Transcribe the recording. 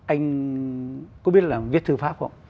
anh có biết làm viết thư pháp không